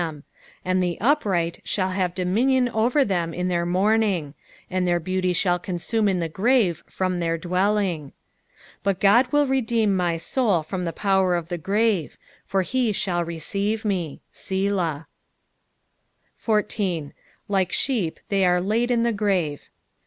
them ; and the upright shall have dominion over them in the morning ; and their beauty shall consume in the grave from their dwelling. 15 But God will redeem my soul from the power of the grave ; for he shall receive me. Selah. 14. " LHt» Aeep they are laid in tie frtnt."